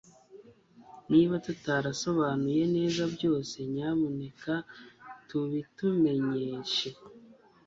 Niba tutarasobanuye neza byose nyamuneka tubitumenyeshe